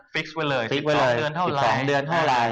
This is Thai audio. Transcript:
ฟิกซ์ไว้เลย๑๒เดือนเท่าไร